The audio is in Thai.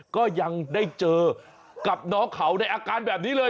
ก็ยังได้เจอกับน้องเขาในอาการแบบนี้เลย